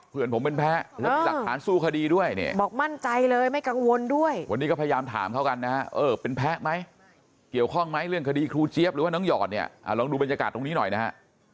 เพื่อนผมเป็นแพ้แล้วมีหลักฐานสู้คดีด้วยเนี่ยบอกมั่นใจเลยไม่กังวลด้วยวันนี้ก็พยายามถามเขากันนะฮะเออเป็นแพ้ไหมเกี่ยวข้องไหมเรื่องคดีครูเจี๊ยบหรือว่าน้องหยอดเนี่ยลองดูบรรยากาศตรงนี้หน่อยนะฮะ